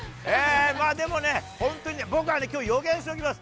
でもね、本当に、僕はきょう、予言しておきます。